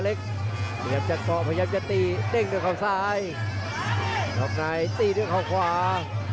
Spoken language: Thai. ล้อปีด้วยขาวขวา